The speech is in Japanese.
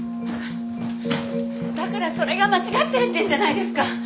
だからそれが間違ってるって言ってるんじゃないですか！